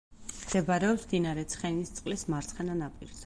მდებარეობს მდინარე ცხენისწყლის მარცხენა ნაპირზე.